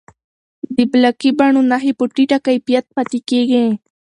د بلاکي بڼو نښې په ټیټه کیفیت پاتې کېږي.